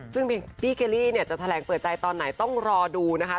ซึ่งพี่เคลลี่เนี่ยจะแถลงเปิดใจตอนไหนต้องรอดูนะคะ